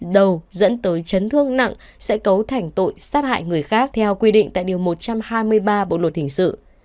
đầu dẫn tới chấn thương nặng sẽ cấu thành tội sát hại người khác theo quy định tại điều một trăm hai mươi ba bộ luật hình sự